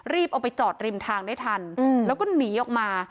เอาไปจอดริมทางได้ทันแล้วก็หนีออกมา